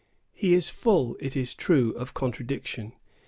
He is full, it is true, of contradiction.